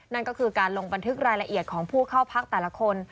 นั่นก็คือการลงบันทึกรายละเอียดของผู้เข้าพักแต่ละคน